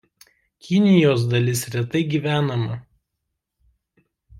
Kinijos dalis retai gyvenama.